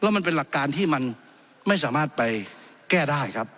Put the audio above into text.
มันเป็นหลักการที่มันไม่สามารถไปแก้ได้ครับ